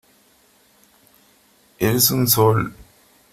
eres un sol .